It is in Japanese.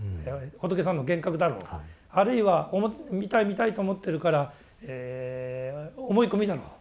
仏さんの幻覚だろうあるいは見たい見たいと思ってるから思い込みだろう